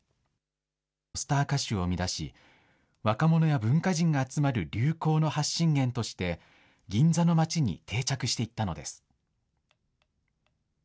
スター歌手を生み出し、若者や文化人が集まる流行の発信源として、銀座の街に定着していったのです。